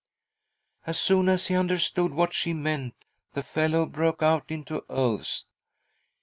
" As soon as he understood what she meant, the fellow broke out into oaths.